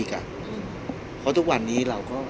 พี่อัดมาสองวันไม่มีใครรู้หรอก